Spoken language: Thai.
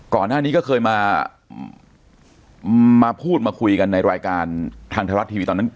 ก่อนหน้านี้ก็เคยมาพูดมาคุยกันในรายการทางไทยรัฐทีวีตอนนั้น